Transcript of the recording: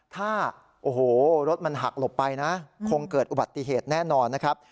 ถ้าโอ้โหรถมันหักหลบไปนะคงเกิดอุบัติเหตุแน่นอนนะครับ